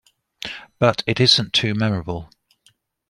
But it isn't too memorable.